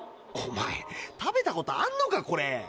おまえ食べたことあんのか？